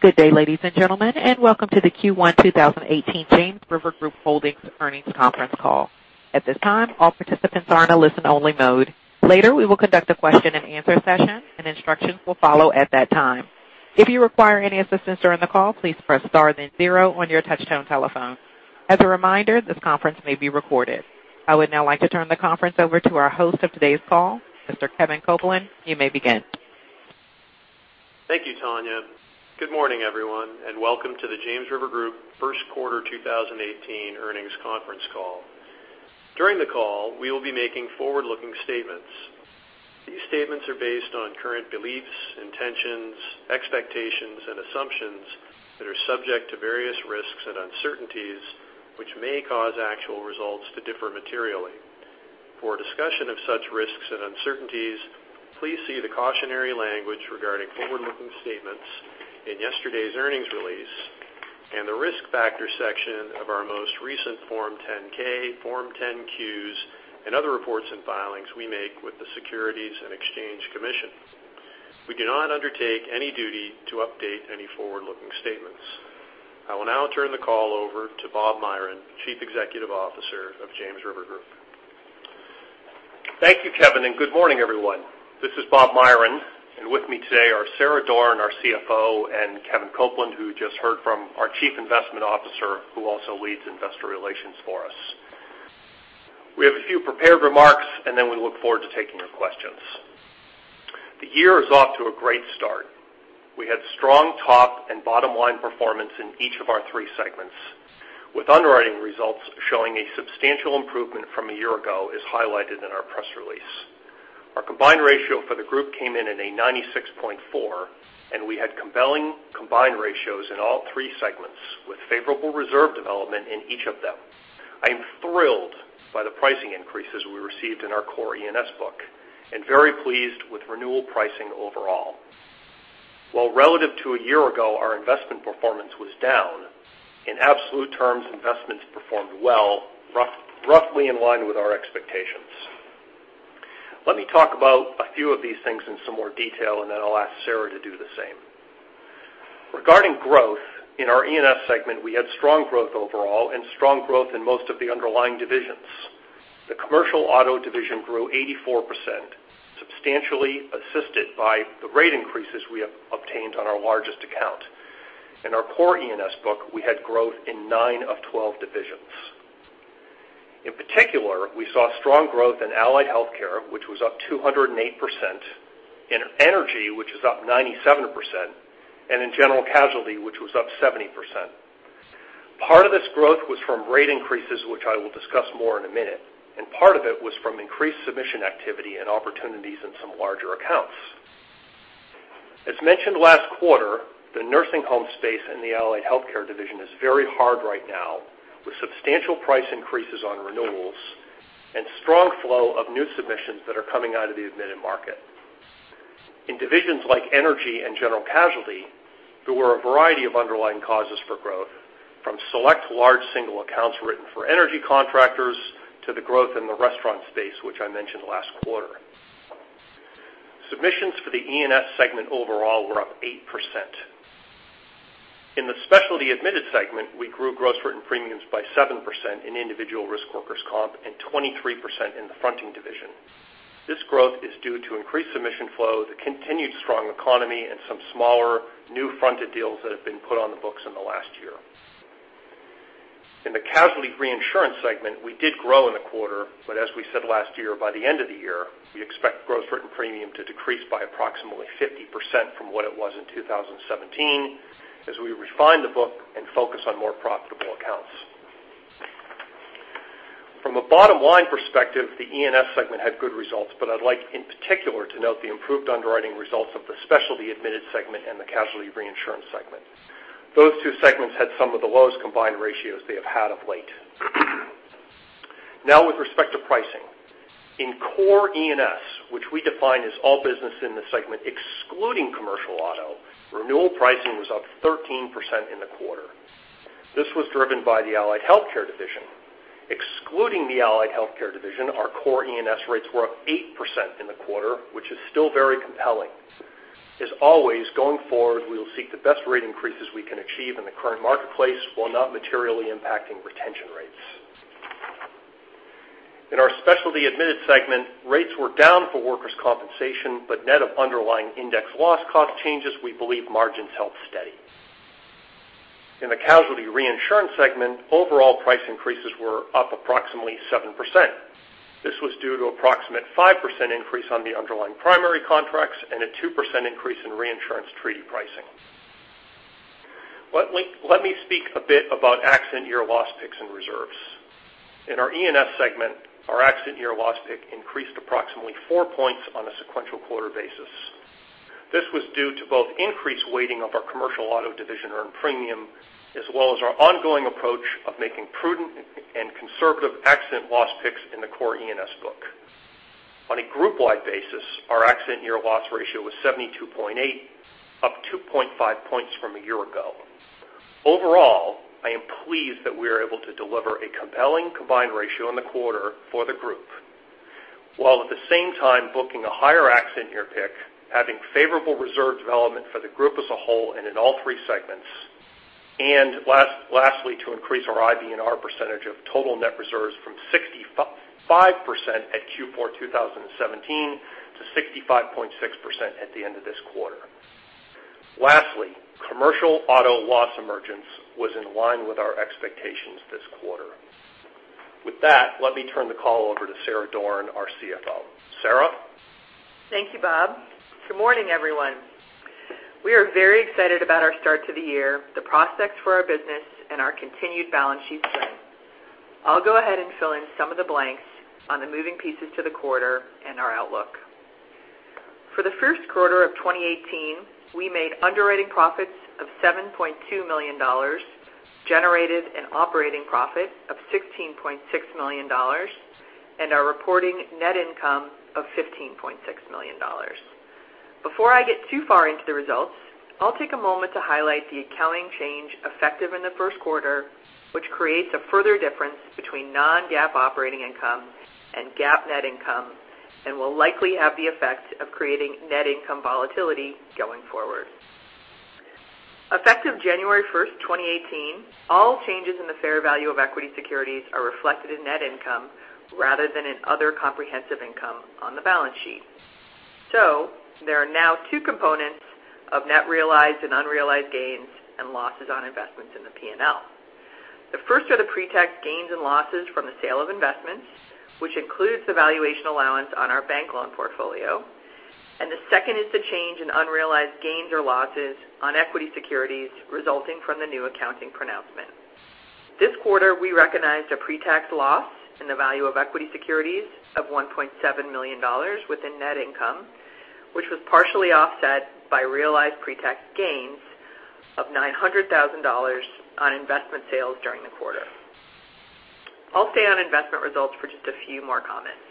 Good day, ladies and gentlemen, and welcome to the Q1 2018 James River Group Holdings Earnings Conference Call. At this time, all participants are in a listen-only mode. Later, we will conduct a question and answer session, and instructions will follow at that time. If you require any assistance during the call, please press star then zero on your touch-tone telephone. As a reminder, this conference may be recorded. I would now like to turn the conference over to our host of today's call, Mr. Kevin Copeland. You may begin. Thank you, Tanya. Good morning, everyone, and welcome to the James River Group first quarter 2018 earnings conference call. During the call, we will be making forward-looking statements. These statements are based on current beliefs, intentions, expectations, and assumptions that are subject to various risks and uncertainties, which may cause actual results to differ materially. For a discussion of such risks and uncertainties, please see the cautionary language regarding forward-looking statements in yesterday's earnings release and the Risk Factors section of our most recent Form 10-K, Form 10-Q, and other reports and filings we make with the Securities and Exchange Commission. We do not undertake any duty to update any forward-looking statements. I will now turn the call over to Robert Myron, Chief Executive Officer of James River Group. Thank you, Kevin, and good morning, everyone. This is Robert Myron, and with me today are Sarah Doran, our CFO, and Kevin Copeland, who you just heard from, our Chief Investment Officer, who also leads investor relations for us. We have a few prepared remarks, and then we look forward to taking your questions. The year is off to a great start. We had strong top and bottom-line performance in each of our three segments, with underwriting results showing a substantial improvement from a year ago, as highlighted in our press release. Our combined ratio for the group came in at a 96.4, and we had compelling combined ratios in all three segments, with favorable reserve development in each of them. I am thrilled by the pricing increases we received in our core E&S book, and very pleased with renewal pricing overall. While relative to a year ago, our investment performance was down, in absolute terms, investments performed well, roughly in line with our expectations. Let me talk about a few of these things in some more detail, and then I'll ask Sarah to do the same. Regarding growth, in our E&S segment, we had strong growth overall and strong growth in most of the underlying divisions. The commercial auto division grew 84%, substantially assisted by the rate increases we have obtained on our largest account. In our core E&S book, we had growth in nine of 12 divisions. In particular, we saw strong growth in Allied Health, which was up 208%, in Energy, which is up 97%, and in General Casualty, which was up 70%. Part of this growth was from rate increases, which I will discuss more in a minute, and part of it was from increased submission activity and opportunities in some larger accounts. As mentioned last quarter, the nursing home space in the Allied Health division is very hard right now, with substantial price increases on renewals and strong flow of new submissions that are coming out of the admitted market. In divisions like Energy and General Casualty, there were a variety of underlying causes for growth, from select large single accounts written for energy contractors to the growth in the restaurant space, which I mentioned last quarter. Submissions for the E&S segment overall were up 8%. In the specialty admitted segment, we grew gross written premiums by 7% in individual risk workers' comp and 23% in the fronting division. This growth is due to increased submission flow, the continued strong economy, and some smaller, new fronted deals that have been put on the books in the last year. In the casualty reinsurance segment, we did grow in the quarter, but as we said last year, by the end of the year, we expect gross written premium to decrease by approximately 50% from what it was in 2017, as we refine the book and focus on more profitable accounts. From a bottom-line perspective, the E&S segment had good results, but I'd like in particular to note the improved underwriting results of the specialty admitted segment and the casualty reinsurance segment. Those two segments had some of the lowest combined ratios they have had of late. Now with respect to pricing. In core E&S, which we define as all business in the segment excluding commercial auto, renewal pricing was up 13% in the quarter. This was driven by the Allied Health division. Excluding the Allied Health division, our core E&S rates were up 8% in the quarter, which is still very compelling. As always, going forward, we will seek the best rate increases we can achieve in the current marketplace while not materially impacting retention rates. In our specialty admitted segment, rates were down for workers' compensation, but net of underlying index loss cost changes, we believe margins held steady. In the casualty reinsurance segment, overall price increases were up approximately 7%. This was due to approximate 5% increase on the underlying primary contracts and a 2% increase in reinsurance treaty pricing. Let me speak a bit about accident year loss picks and reserves. In our E&S segment, our accident year loss pick increased approximately four points on a sequential quarter basis. This was due to both increased weighting of our commercial auto division earned premium as well as our ongoing approach of making prudent and conservative accident loss picks in the core E&S book. On a group-wide basis, our accident year loss ratio was 72.8, up 2.5 points from a year ago. Overall, I am pleased that we are able to deliver a compelling combined ratio in the quarter for the group. While at the same time booking a higher accident year pick, having favorable reserve development for the group as a whole and in all three segments. Lastly, to increase our IBNR percentage of total net reserves from 65% at Q4 2017 to 65.6% at the end of this quarter. Lastly, commercial auto loss emergence was in line with our expectations this quarter. With that, let me turn the call over to Sarah Doran, our CFO. Sarah? Thank you, Bob. Good morning, everyone. We are very excited about our start to the year, the prospects for our business, and our continued balance sheet strength. I'll go ahead and fill in some of the blanks on the moving pieces to the quarter and our outlook. For the first quarter of 2018, we made underwriting profits of $7.2 million, generated an operating profit of $16.6 million, and are reporting net income of $15.6 million. Before I get too far into the results, I'll take a moment to highlight the accounting change effective in the first quarter, which creates a further difference between non-GAAP operating income and GAAP net income and will likely have the effect of creating net income volatility going forward. Effective January 1st, 2018, all changes in the fair value of equity securities are reflected in net income rather than in other comprehensive income on the balance sheet. There are now two components of net realized and unrealized gains and losses on investments in the P&L. The first are the pre-tax gains and losses from the sale of investments, which includes the valuation allowance on our bank loan portfolio, and the second is the change in unrealized gains or losses on equity securities resulting from the new accounting pronouncement. This quarter, we recognized a pre-tax loss in the value of equity securities of $1.7 million within net income, which was partially offset by realized pre-tax gains of $900,000 on investment sales during the quarter. I'll stay on investment results for just a few more comments.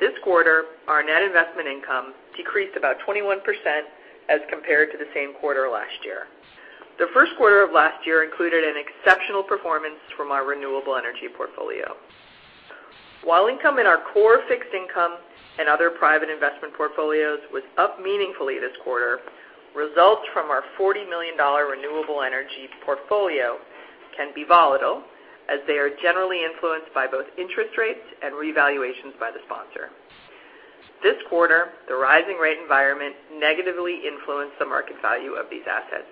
This quarter, our net investment income decreased about 21% as compared to the same quarter last year. The first quarter of last year included an exceptional performance from our renewable energy portfolio. While income in our core fixed income and other private investment portfolios was up meaningfully this quarter, results from our $40 million renewable energy portfolio can be volatile as they are generally influenced by both interest rates and revaluations by the sponsor. This quarter, the rising rate environment negatively influenced the market value of these assets,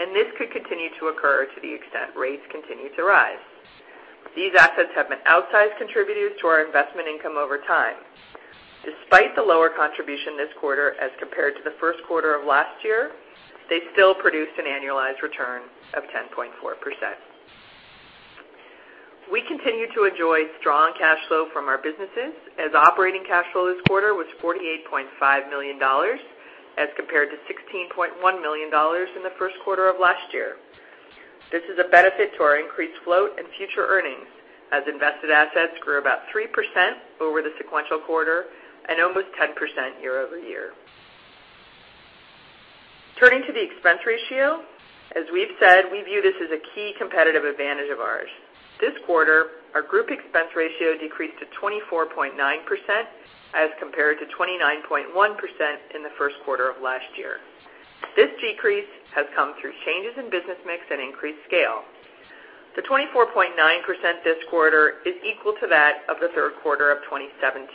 and this could continue to occur to the extent rates continue to rise. These assets have been outsized contributors to our investment income over time. Despite the lower contribution this quarter as compared to the first quarter of last year, they still produced an annualized return of 10.4%. We continue to enjoy strong cash flow from our businesses as operating cash flow this quarter was $48.5 million as compared to $16.1 million in the first quarter of last year. This is a benefit to our increased float and future earnings as invested assets grew about 3% over the sequential quarter and almost 10% year-over-year. Turning to the expense ratio, as we've said, we view this as a key competitive advantage of ours. This quarter, our group expense ratio decreased to 24.9% as compared to 29.1% in the first quarter of last year. This decrease has come through changes in business mix and increased scale. The 24.9% this quarter is equal to that of the third quarter of 2017.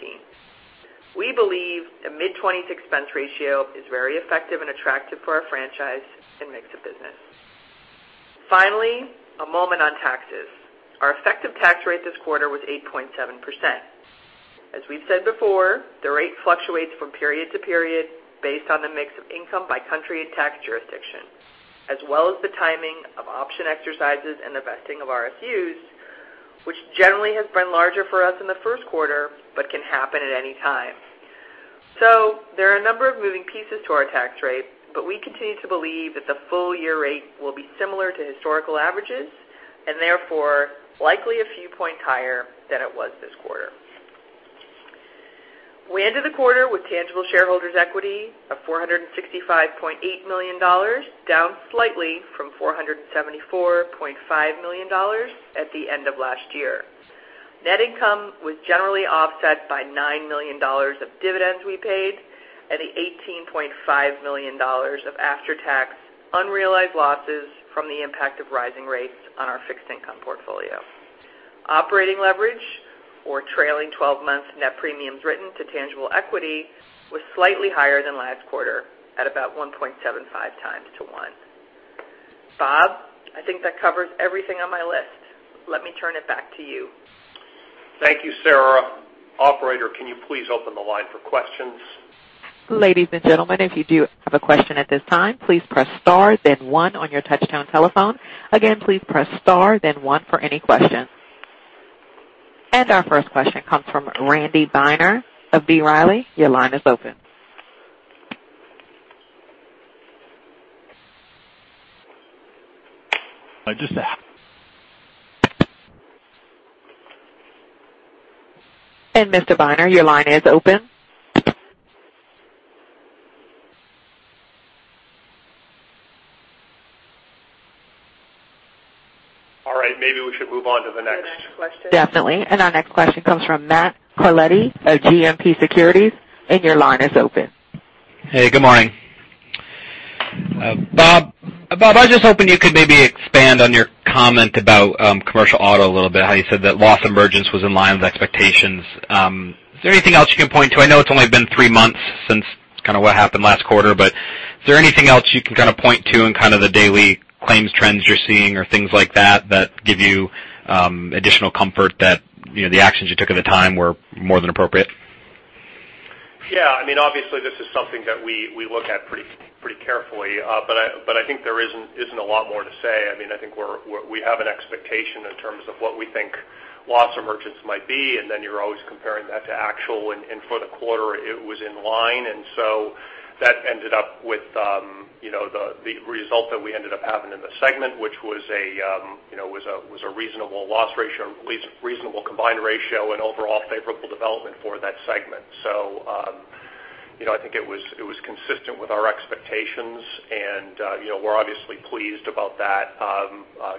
We believe a mid-20s expense ratio is very effective and attractive for our franchise and mix of business. Finally, a moment on taxes. Our effective tax rate this quarter was 8.7%. As we've said before, the rate fluctuates from period to period based on the mix of income by country and tax jurisdiction, as well as the timing of option exercises and the vesting of RSUs, which generally has been larger for us in the first quarter but can happen at any time. There are a number of moving pieces to our tax rate, but we continue to believe that the full-year rate will be similar to historical averages and therefore likely a few points higher than it was this quarter. We ended the quarter with tangible shareholders' equity of $465.8 million, down slightly from $474.5 million at the end of last year. Net income was generally offset by $9 million of dividends we paid and the $18.5 million of after-tax unrealized losses from the impact of rising rates on our fixed income portfolio. Operating leverage for trailing 12 months net premiums written to tangible equity was slightly higher than last quarter at about 1.75 times to one. Bob, I think that covers everything on my list. Let me turn it back to you. Thank you, Sarah. Operator, can you please open the line for questions? Ladies and gentlemen, if you do have a question at this time, please press star then one on your touchtone telephone. Again, please press star then one for any questions. Our first question comes from Randy Binner of B. Riley. Your line is open. I just- Mr. Binner, your line is open. All right. The next question. Definitely. Our next question comes from Matt Carletti of JMP Securities, and your line is open. Hey, good morning. Bob, I was just hoping you could maybe expand on your comment about commercial auto a little bit, how you said that loss emergence was in line with expectations. Is there anything else you can point to? I know it's only been three months since what happened last quarter, but is there anything else you can point to in the daily claims trends you're seeing or things like that that give you additional comfort that the actions you took at the time were more than appropriate? Yeah. Obviously, this is something that we look at pretty carefully. I think there isn't a lot more to say. I think we have an expectation in terms of what we think loss emergence might be, then you're always comparing that to actual, for the quarter, it was in line. That ended up with the result that we ended up having in the segment, which was a reasonable loss ratio, at least reasonable combined ratio and overall favorable development for that segment. I think it was consistent with our expectations, and we're obviously pleased about that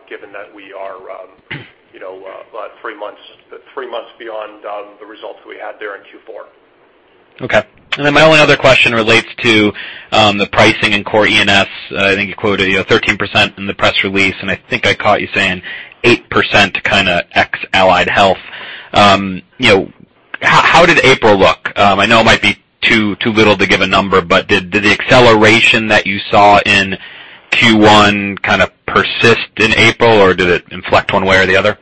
given that we are about three months beyond the results we had there in Q4. My only other question relates to the pricing in core E&S. I think you quoted 13% in the press release, and I think I caught you saying 8% kind of ex Allied Health. How did April look? I know it might be too little to give a number, but did the acceleration that you saw in Q1 kind of persist in April, or did it inflect one way or the other?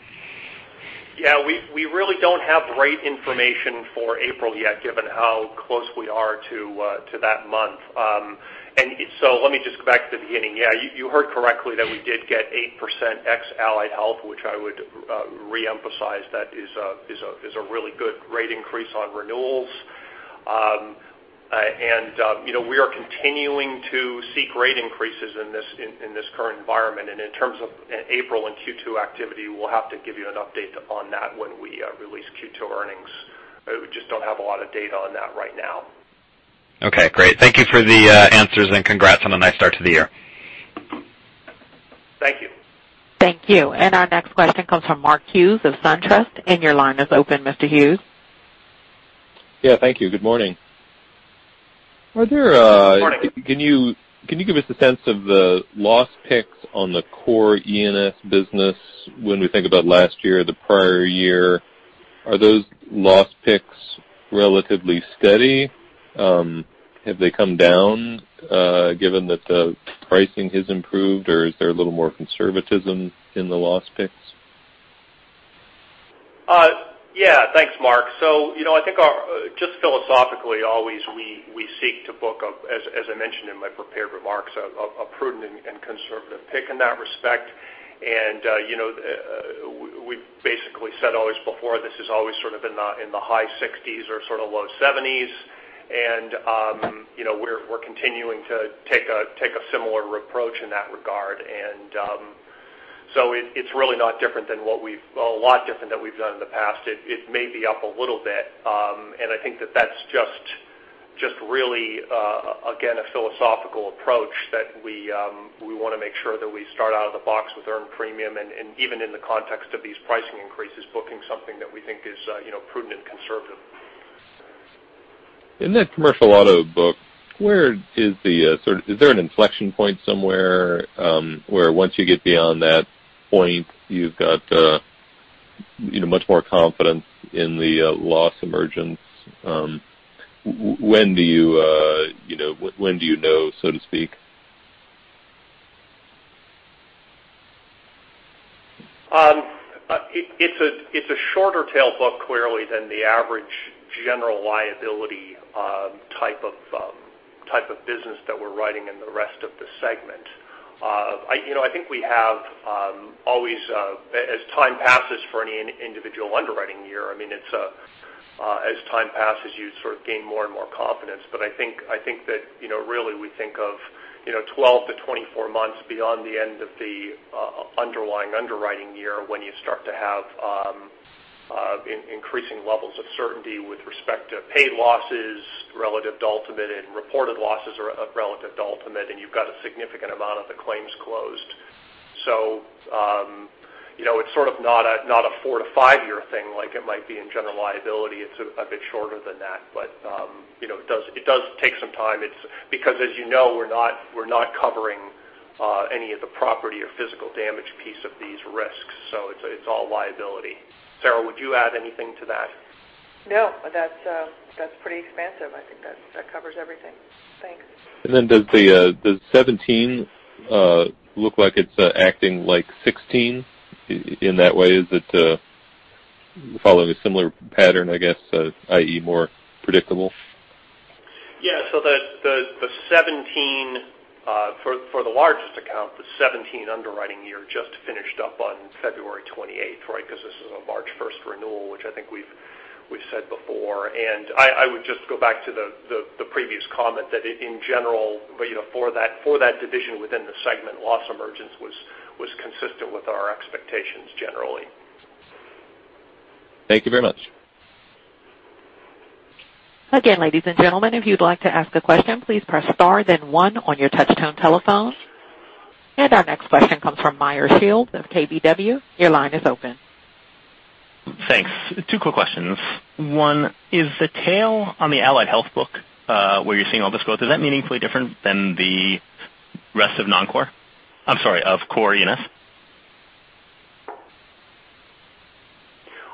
Yeah. We really don't have rate information for April yet, given how close we are to that month. Let me just go back to the beginning. Yeah, you heard correctly that we did get 8% ex Allied Health, which I would re-emphasize that is a really good rate increase on renewals. We are continuing to see rate increases in this current environment. In terms of April and Q2 activity, we'll have to give you an update on that when we release Q2 earnings. We just don't have a lot of data on that right now. Okay, great. Thank you for the answers, and congrats on a nice start to the year. Thank you. Thank you. Our next question comes from Mark Hughes of SunTrust, your line is open, Mr. Hughes. Yeah. Thank you. Good morning. Good morning. Can you give us a sense of the loss picks on the core E&S business when we think about last year or the prior year? Are those loss picks relatively steady? Have they come down given that the pricing has improved, or is there a little more conservatism in the loss picks? Thanks, Mark. I think just philosophically, always we seek to book a, as I mentioned in my prepared remarks, a prudent and conservative pick in that respect. We've basically said always before, this is always sort of in the high 60s or low 70s. We're continuing to take a similar approach in that regard. It's really not a lot different than what we've done in the past. It may be up a little bit. I think that that's just really, again, a philosophical approach that we want to make sure that we start out of the box with earned premium, and even in the context of these pricing increases, booking something that we think is prudent and conservative. In that commercial auto book, is there an inflection point somewhere where once you get beyond that point, you've got much more confidence in the loss emergence? When do you know, so to speak? It's a shorter tail book clearly than the average General Liability type of business that we're writing in the rest of the segment. I think as time passes for any individual underwriting year, as time passes, you sort of gain more and more confidence. I think that really we think of 12 to 24 months beyond the end of the underlying underwriting year when you start to have increasing levels of certainty with respect to paid losses relative to ultimate and reported losses relative to ultimate, and you've got a significant amount of the claims closed. It's sort of not a four to five year thing like it might be in General Liability. It's a bit shorter than that. It does take some time. Because as you know, we're not covering any of the property or physical damage piece of these risks, so it's all liability. Sarah, would you add anything to that? No, that's pretty expansive. I think that covers everything. Thanks. Does 2017 look like it's acting like 2016 in that way? Is it following a similar pattern, I guess, i.e. more predictable? Yeah. For the largest account, the 2017 underwriting year just finished up on February 28th because this is a March 1st renewal, which I think we've said before. I would just go back to the previous comment that in general for that division within the segment, loss emergence was consistent with our expectations generally. Thank you very much. ladies and gentlemen, if you'd like to ask a question, please press star then one on your touch-tone telephone. Our next question comes from Meyer Shields of KBW. Your line is open. Thanks. Two quick questions. One, is the tail on the Allied Health book, where you're seeing all this growth, is that meaningfully different than the rest of non-core? I'm sorry, of core E&S?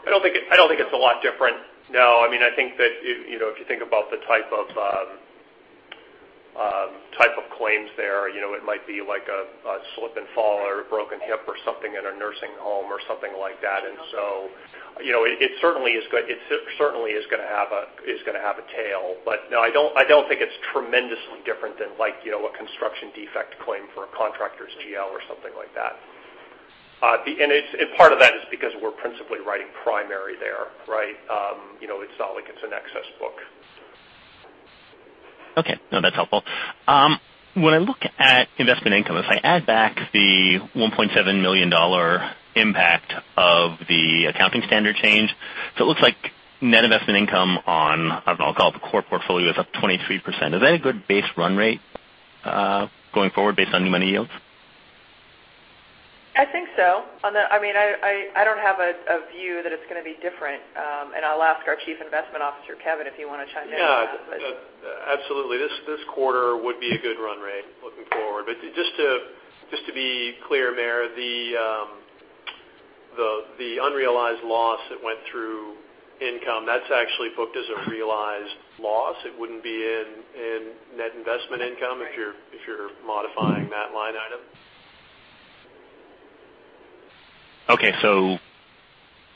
I don't think it's a lot different. No. I think that if you think about the type of claims there, it might be like a slip and fall or a broken hip or something in a nursing home or something like that. It certainly is going to have a tail. No, I don't think it's tremendously different than a construction defect claim for a contractor's GL or something like that. Part of that is because we're principally writing primary there, right? It's not like it's an excess book. Okay. No, that's helpful. When I look at investment income, if I add back the $1.7 million impact of the accounting standard change, it looks like net investment income on, I don't know, I'll call it the core portfolio, is up 23%. Is that a good base run rate going forward based on new money yields? I think so. I don't have a view that it's going to be different. I'll ask our Chief Investment Officer, Kevin, if you want to chime in on that. Yeah. Absolutely. This quarter would be a good run rate looking forward. Just to be clear, Meyer, the unrealized loss that went through income, that's actually booked as a realized loss. It wouldn't be in net investment income if you're modifying that line item. Okay.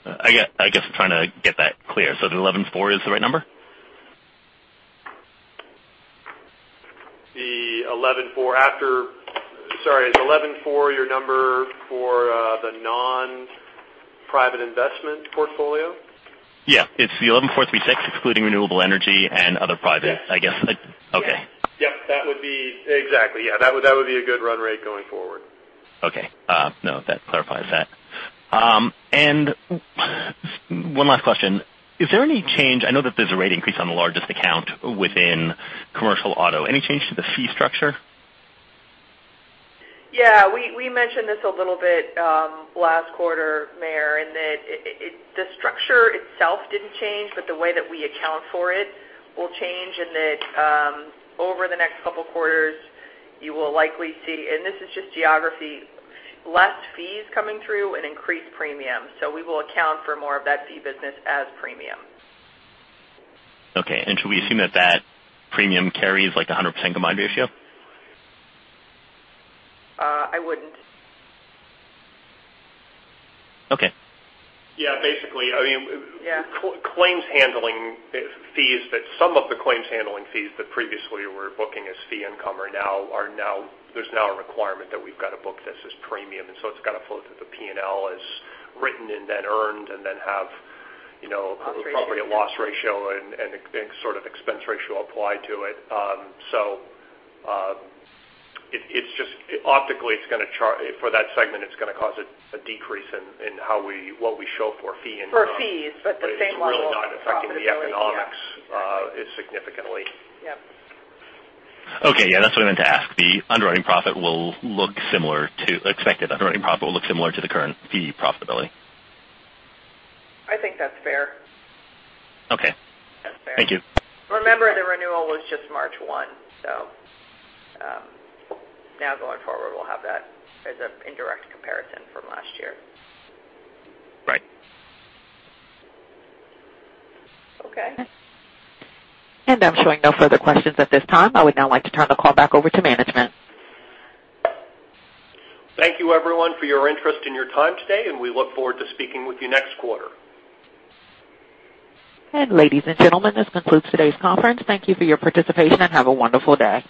I guess I'm trying to get that clear. The 11.4 is the right number? Is the 11.4 your number for the non-private investment portfolio? Yeah. It's the 11.436 including renewable energy and other private, I guess. Okay. Yep. Exactly. Yeah. That would be a good run rate going forward. Okay. No, that clarifies that. One last question. Is there any change, I know that there's a rate increase on the largest account within commercial auto, any change to the fee structure? Yeah. We mentioned this a little bit last quarter, Meyer, that the structure itself didn't change, the way that we account for it will change, that over the next couple quarters, you will likely see, this is just geography, less fees coming through and increased premiums. We will account for more of that fee business as premium. Okay. Should we assume that that premium carry is like 100% combined ratio? I wouldn't. Okay. Yeah. Basically. Yeah. Some of the claims handling fees that previously were booking as fee income, there's now a requirement that we've got to book this as premium, and so it's got to flow through the P&L as written and then earned. Loss ratio probably a loss ratio and sort of expense ratio applied to it. Optically, for that segment, it's going to cause a decrease in what we show for fee income. For fees, the same level of profit really. Yeah. It's really not affecting the economics significantly. Yep. Okay. Yeah, that's what I meant to ask. The underwriting profit will look similar to expected. Underwriting profit will look similar to the current fee profitability. I think that's fair. Okay. That's fair. Thank you. Remember, the renewal was just March 1. Now going forward, we'll have that as an indirect comparison from last year. Right. Okay. I'm showing no further questions at this time. I would now like to turn the call back over to management. Thank you, everyone, for your interest and your time today, and we look forward to speaking with you next quarter. Ladies and gentlemen, this concludes today's conference. Thank you for your participation, and have a wonderful day.